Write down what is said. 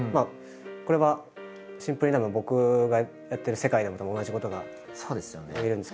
これはシンプルにたぶん僕がやってる世界でもたぶん同じことがいえるんですけど。